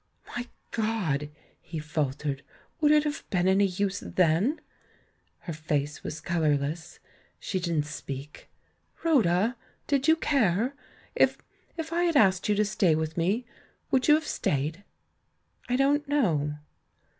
"My God!" he faltered, "would it have been any use then?'' Her face was colourless. She didn't speak. "Rhoda, did you care? If — if I had asked you to stay with me, would you have stayed?" "I don't know."